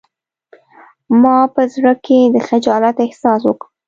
ما په زړه کې د خجالت احساس وکړ